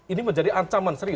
ini menjadi ancaman serius